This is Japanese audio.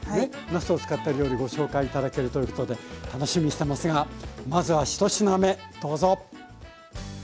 なすを使った料理ご紹介頂けるということで楽しみにしてますがまずは１品目どうぞ。